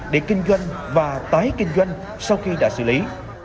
để kinh doanh và tái kinh doanh sau khi đã xử lý